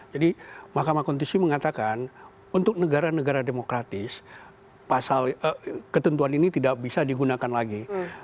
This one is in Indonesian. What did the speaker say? jadi makamah konstitusi mengatakan untuk negara negara demokratis ketentuan ini tidak bisa digunakan lagi